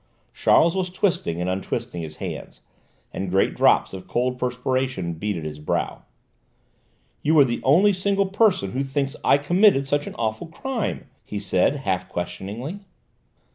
Charles was twisting and untwisting his hands, and great drops of cold perspiration beaded his brow. "You are the only single person who thinks I committed such an awful crime!" he said, half questioningly.